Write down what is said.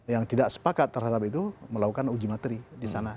yang tidak sepakat terhadap itu melakukan uji materi di sana